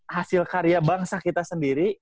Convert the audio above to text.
hasil karya bangsa kita sendiri